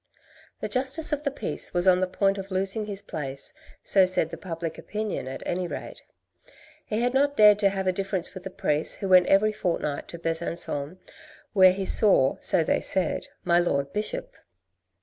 The Justice of the Peace was on the point of losing his place, so said the public opinion at any rate. Had he not dared to have a difference with the priest who went every fortnight to Besan con ; where he saw, so they said, my Lord the Bishop.